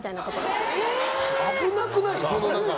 危なくない？